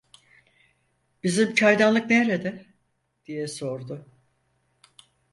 Bizim çaydanlık nerede? diye sordu.